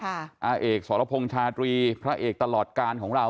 อาเอกสรพงษ์ชาตรีพระเอกตลอดการของเรา